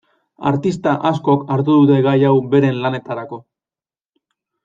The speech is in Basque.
Artista askok hartu dute gai hau beren lanetarako.